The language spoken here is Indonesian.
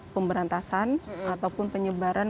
pemberantasan ataupun penyebaran